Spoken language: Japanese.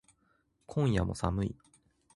今夜も寒い